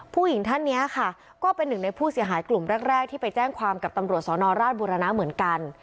ผู้หญิงท่านนี้ค่ะก็เป็นหนึ่งในผู้เสียหายกลุ่มแรกที่ไปแจ้งความกับตำรวจสนราชบุรณะเหมือนกัน